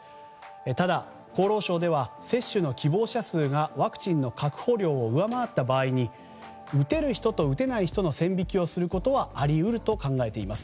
ただ、厚労省では接種の希望者数がワクチンの確保量を上回った場合に打てる人と打てない人の線引きをすることはあり得ると考えています。